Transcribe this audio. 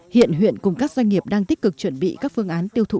hiện huyện cùng các doanh nghiệp đang tích cực chuẩn bị các phương án tiêu thụ